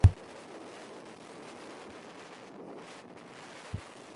তারা তাদের জীবনযাপন কত নিরাপদ বোধ করছে।